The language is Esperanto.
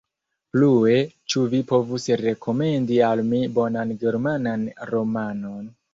Plue, ĉu vi povus rekomendi al mi bonan germanan romanon?